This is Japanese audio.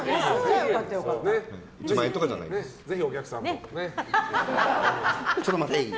ぜひお客さんもね。